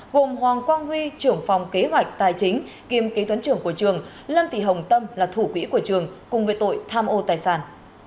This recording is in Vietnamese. gồm hoàng quang huy trưởng phòng kế hoạch tài chính kiêm kế toán trưởng của trường lâm tị hồng tâm là thủ quỹ của trường cùng với tội tham ô tài sản